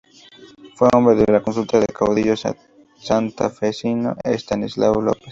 Fue hombre de consulta del caudillo santafesino Estanislao López.